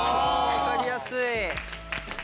分かりやすい。